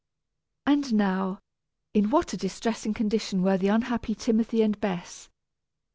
And now, in what a distressing condition were the unhappy Timothy and Bess!